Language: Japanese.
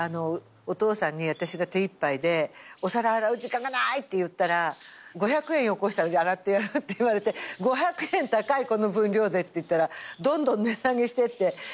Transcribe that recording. お父さんに私が手いっぱいでお皿洗う時間がないって言ったら「５００円よこしたら洗ってやる」って言われて５００円高いこの分量でって言ったらどんどん値下げしてって。